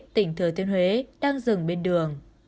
tỉnh thừa thiên huế đang dừng bên đường